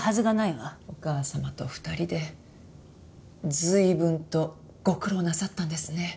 お母様と２人で随分とご苦労なさったんですね。